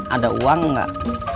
ada uang gak